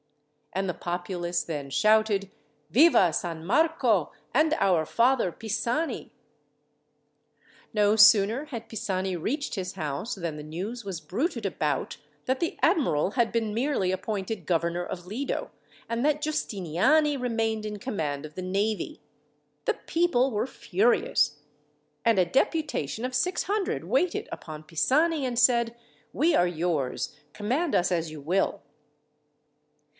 '" And the populace then shouted, "Viva San Marco and our Father Pisani!" No sooner had Pisani reached his house than the news was bruited about, that the admiral had been merely appointed governor of Lido, and that Giustiniani remained in command of the navy. The people were furious; and a deputation of 600 waited upon Pisani and said: "We are yours. Command us as you will."